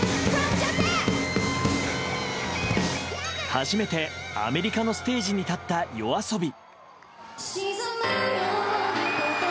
初めてアメリカのステージに立ったＹＯＡＳＯＢＩ。